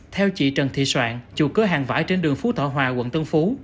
theo chị trần thị soạn chủ cửa hàng vải trên đường phú thọ hòa quận tân phú